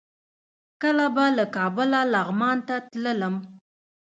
کله به له کابله لغمان ته تللم.